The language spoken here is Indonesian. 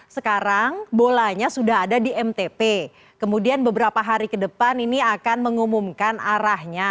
sekarang bolanya sudah ada di mtp kemudian beberapa hari ke depan ini akan mengumumkan arahnya